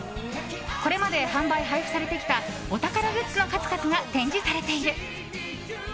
これまで販売・配布されてきたお宝グッズの数々が展示されている。